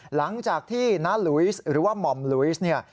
หลังจากที่ณลุวิสหรือว่าหม่อมลุวิส